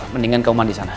mendingan kamu mandi sana